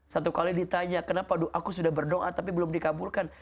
satu kali ditanya kenapa aku sudah berdoa tapi belum dikabulkan